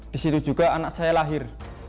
di situ juga anak saya lahir